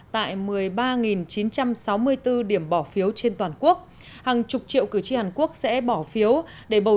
tại một mươi ba chín trăm sáu mươi bốn điểm bỏ phiếu trên toàn quốc hàng chục triệu cử tri hàn quốc sẽ bỏ phiếu để bầu